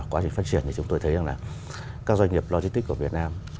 quá trình phát triển thì chúng tôi thấy rằng là các doanh nghiệp logistics của việt nam